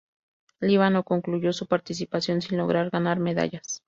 Líbano concluyó su participación sin lograr ganar medallas.